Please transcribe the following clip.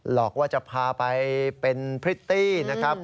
หลอกว่าจะพาไปเป็นพริตตี้นะครับ